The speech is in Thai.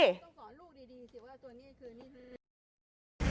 มันต้องขอลูกดีสิว่าตัวนี้คือนี่